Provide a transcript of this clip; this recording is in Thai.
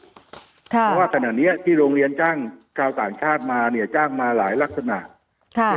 เพราะว่าขณะนี้ที่โรงเรียนจ้างชาวต่างชาติมาเนี่ยจ้างมาหลายลักษณะค่ะ